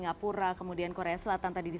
maka kita harus berpikir